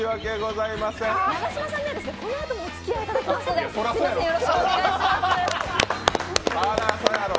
永島さんにはこのあともおつきあいいただきますのでよろしくお願いします。